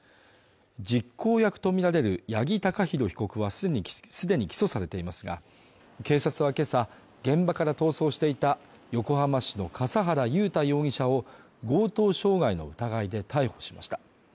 実行役とみられる八木貴寛被告は既に起訴されていますが、警察はけさ、現場から逃走していた横浜市の笠原雄大容疑者を強盗傷害の疑いで逮捕しました。